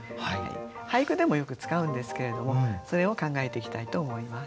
俳句でもよく使うんですけれどもそれを考えていきたいと思います。